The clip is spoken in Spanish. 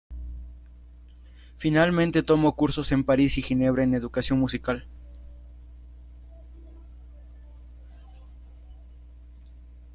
Finalmente, tomó cursos en París y Ginebra en educación musical.